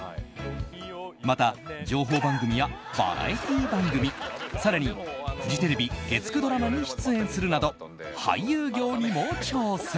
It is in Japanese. また、情報番組やバラエティー番組更にフジテレビ月９ドラマに出演するなど俳優業にも挑戦。